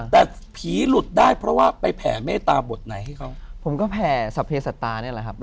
แต่ผีหลุดได้เพราะว่าไปแผ่เมตตาบทไหนให้เขา